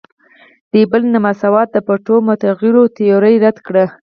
د بیل نا مساوات د پټو متغیرو تیوري رد کړه.